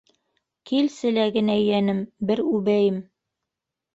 Килсе лә генә, йәнем, бер үбәйем